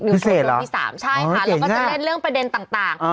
นิวส์โชว์เป็นช่วงนิวส์โชว์ช่วงที่๓ใช่ค่ะแล้วก็จะเล่นเรื่องประเด็นต่าง